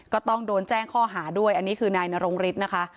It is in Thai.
ก็ต้องโดนแจ้งข้อหาด้วยอันนี้คือนายนรงฤทธิ์นะคะ